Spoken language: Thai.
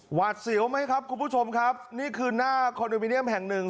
หวาดเสียวไหมครับคุณผู้ชมครับนี่คือหน้าคอนโดมิเนียมแห่งหนึ่ง